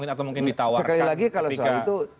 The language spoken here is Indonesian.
ditawarkan sekali lagi kalau soal itu